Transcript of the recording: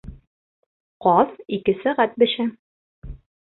Ҡаҙ ике сәғәт бешә.